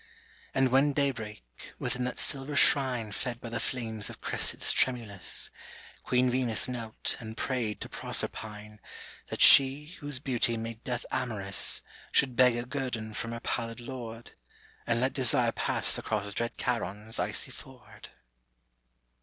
And when day brake, within that silver shrine Fed by the flames of cressets tremulous, Queen Venus knelt and prayed to Proserpine That she whose beauty made Death amorous Should beg a guerdon from her pallid Lord, And let Desire pass across dread Charon's icy ford.